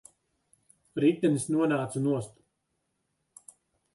Ritenis nonāca nost.